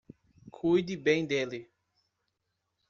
Cuide bem dele.